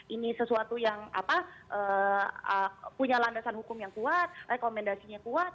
ini sesuatu yang punya landasan hukum yang kuat rekomendasinya kuat